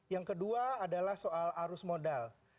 yang kedua adalah soal arus modal